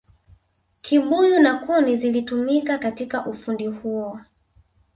kibuyu na kuni zilitumika katika ufundi huo